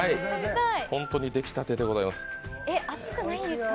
本当に出来たてでございます。